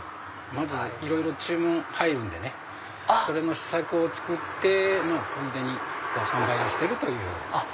まずいろいろ注文入るんでねそれの試作を作ってついでに販売をしてるという。